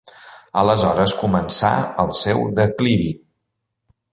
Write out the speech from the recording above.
Aleshores començà el seu declivi.